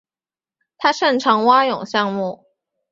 他擅长蛙泳项目。